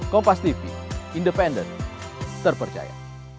kompas tv independen terpercaya